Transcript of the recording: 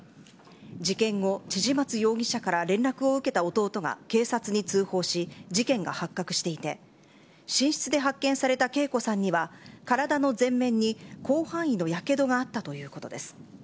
事件後、千々松容疑者から連絡を受けた弟が警察に通報し、事件が発覚していて、寝室で発見された桂子さんには、体の前面に広範囲のやけどがあったということです。